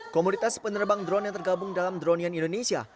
komunitas penerbang drone yang tergabung dalam drone indonesia